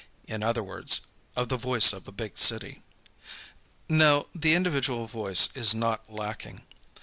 In other words, of the Voice of a Big City. Now, the individual voice is not lacking.